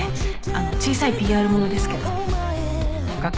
小さいＰＲものですけど。